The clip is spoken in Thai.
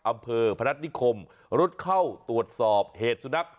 อำเภอพนัฐนิคมรุดเข้าตรวจสอบเหตุสุนัข